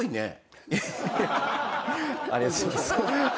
ありがとうございます。